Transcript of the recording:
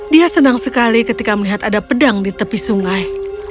dia senang sekali ketika melihat ada pedang di tepi sungai